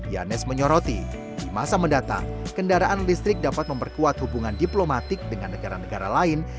yanes menyoroti di masa mendatang kendaraan listrik dapat memperkuat hubungan diplomatik dengan negara negara lain